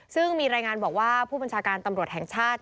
ซึ่งมีรายงานบอกว่าผู้บัญชาการตำรวจแห่งชาติ